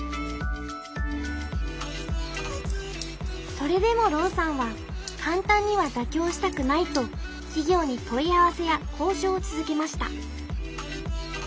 それでも朗さんは簡単には妥協したくないと企業に問い合わせや交渉を続けました。